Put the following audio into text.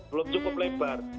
belum cukup lebar